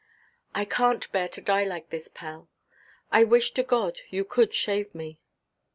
"I canʼt bear to die like this, Pell. _I wish to God you could shave me.